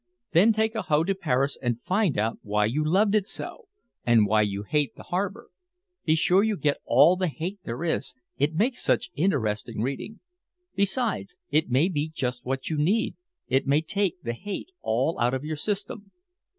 Then take a hoe to Paris and find out why you loved it so, and why you hate the harbor. Be sure you get all the hate there is, it makes such interesting reading. Besides, it may be just what you need it may take the hate all out of your system."